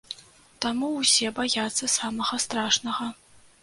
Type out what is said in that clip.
Таму ўсе баяцца самага страшнага.